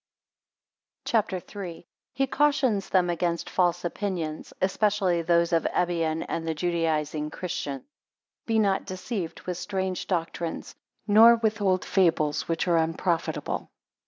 CHAPTER III. 1 He cautions them against false opinions. 3 Especially those of Ebion and the Judaising Christians. BE not deceived with strange doctrines; nor with old fables which are unprofitable.